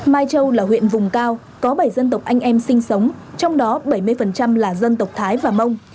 mai châu là huyện vùng cao có bảy dân tộc anh em sinh sống trong đó bảy mươi là dân tộc thái và mông